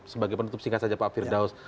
sebagai penutup singkat saja pak firdaus